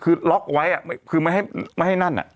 คือล็อกไว้คือไม่ให้นั่น